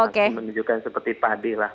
menunjukkan seperti padi lah